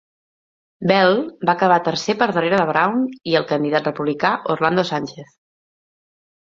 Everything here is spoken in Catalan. Bell va acabar tercer per darrere de Brown i el candidat republicà Orlando Sanchez.